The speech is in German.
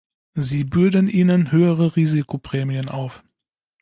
Sie bürden ihnen höhere Risikoprämien auf.